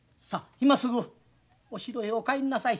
今すぐお城へお帰んなさい」。